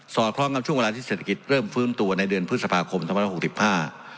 สอดคล้องกับช่วงเวลาที่เศรษฐกิจเริ่มฟื้นตัวในเดือนพฤษภาคมธรรมดา๖๕